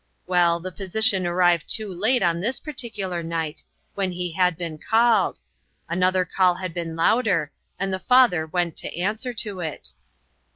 Well, the physician arrived too late on this particular night, when he had been called ; another call had been louder, and the father went to answer to it.